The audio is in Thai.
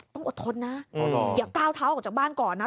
ต้องอดทนนะอย่าก้าวเท้าออกจากบ้านก่อนนะ